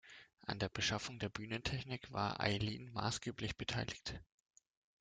An der Beschaffung der Bühnentechnik war Eileen maßgeblich beteiligt.